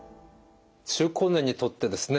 中高年にとってですね